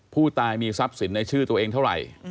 ผู้ตายมีทรัพย์สินในชื่อตัวเองเท่าไหร่